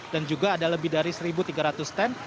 dan juga ada lebih dari satu tiga ratus stand